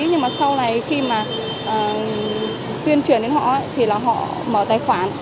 nhưng mà sau này khi mà tuyên truyền đến họ thì là họ mở tài khoản